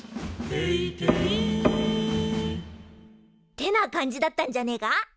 「閉廷」ってな感じだったんじゃねえか？